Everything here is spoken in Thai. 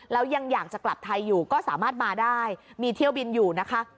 แล้วยังอยากจะกลับไทยอยู่ก็สามารถมาได้มีเที่ยวบินอยู่นะคะ